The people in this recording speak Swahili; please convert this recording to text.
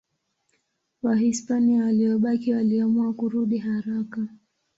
Wahispania waliobaki waliamua kurudi haraka.